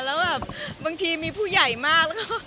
แล้วแบบบางทีมีผู้ใหญ่มากแล้วก็